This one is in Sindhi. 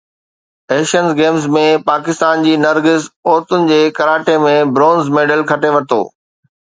ايشين گيمز ۾ پاڪستان جي نرگس عورتن جي ڪراٽي ۾ برونز ميڊل کٽي ورتو